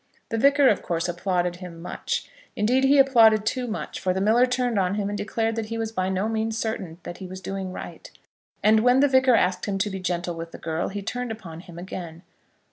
The Vicar, of course, applauded him much. Indeed, he applauded too much; for the miller turned on him and declared that he was by no means certain that he was doing right. And when the Vicar asked him to be gentle with the girl, he turned upon him again.